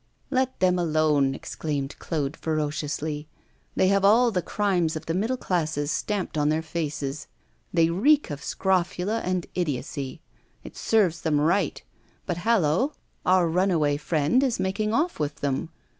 'Let them alone!' exclaimed Claude, ferociously. 'They have all the crimes of the middle classes stamped on their faces; they reek of scrofula and idiocy. It serves them right. But hallo! our runaway friend is making off with them.